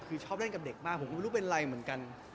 คือชอบเล่นกับเด็กมากผมก็ไม่รู้เป็นไรเหมือนกัน